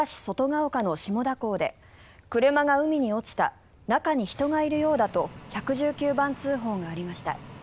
ケ岡の下田港で車が海に落ちた中に人がいるようだと１１９番通報がありました。